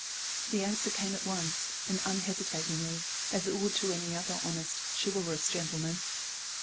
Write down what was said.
The answer came at once and unhesitatingly, as it would to any other honest, chivalrous gentleman.